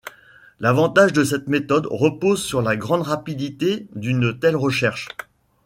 L'avantage de cette méthode repose sur la grande rapidité d'une telle recherche.